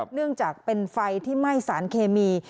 เนื่องจากเป็นไฟที่ไหม้สารเคมี